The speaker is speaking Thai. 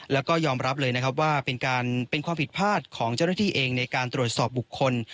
แล้วก็ยอมรับเลยนะครับว่าเป็นความผิดพลาดของเจ้าหน้าที่เองในการตรวจสอบบุคคล